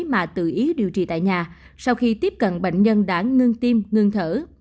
mà tự ý điều trị tại nhà sau khi tiếp cận bệnh nhân đã ngưng tim ngưng thở